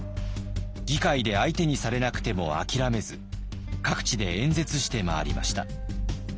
議会で相手にされなくても諦めず各地で演説して回りました。